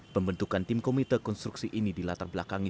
pembentukan tim komite konstruksi ini dilatar belakangi